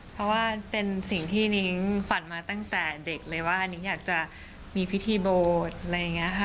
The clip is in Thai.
เพราะว่าเป็นสิ่งที่นิ้งฝันมาตั้งแต่เด็กเลยว่านิ้งอยากจะมีพิธีโบสถ์อะไรอย่างนี้ค่ะ